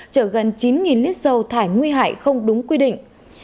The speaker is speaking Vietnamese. chở gần chín lít dầu thải nguy hại không đúng quy định